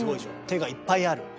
手がいっぱいある。